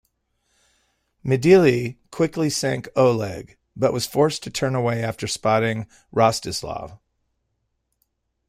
"Midilli" quickly sank "Oleg" but was forced to turn away after spotting "Rostislav".